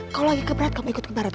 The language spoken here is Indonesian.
kalau lagi keberat kamu ikut ke barat